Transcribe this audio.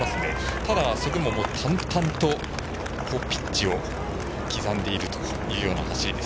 ただ、それでも淡々とピッチを刻んでいるという走りです。